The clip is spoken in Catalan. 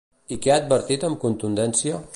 I què ha advertit amb contundència?